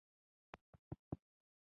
د دغو ډلو لست اوږد دی.